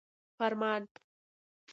فرمان